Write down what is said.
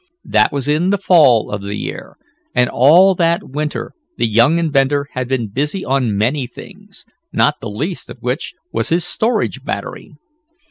That was in the fall of the year, and all that winter the young inventor had been busy on many things, not the least of which was his storage battery.